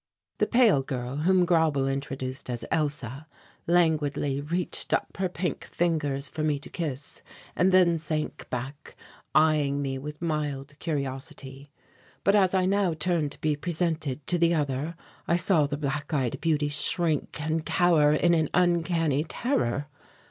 The pale girl, whom Grauble introduced as Elsa, languidly reached up her pink fingers for me to kiss and then sank back, eyeing me with mild curiosity. But as I now turned to be presented to the other, I saw the black eyed beauty shrink and cower in an uncanny terror.